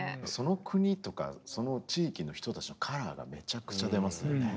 その国とかその地域の人たちのカラーがめちゃくちゃ出ますよね。